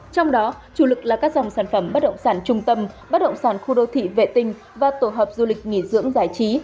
trong đó chủ lực là các dòng sản phẩm bất động sản trung tâm bất động sản khu đô thị vệ tinh và tổ hợp du lịch nghỉ dưỡng giải trí